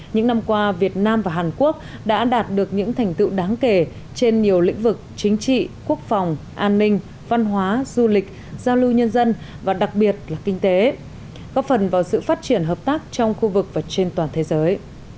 những năm qua việt nam và hàn quốc đã đạt được những thành tựu đáng kể trên nhiều lĩnh vực chính trị quốc phòng an ninh văn hóa du lịch giao lưu nhân dân và đặc biệt là kinh tế góp phần vào sự phát triển hợp tác trong khu vực và trên toàn thế giới